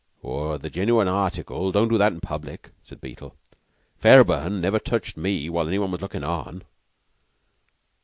"The genuine article don't do that in public," said Beetle. "Fairburn never touched me when any one was looking on."